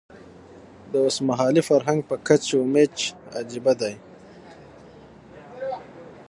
د اوسمهالي فرهنګ په کچ و میچ عجیبه دی.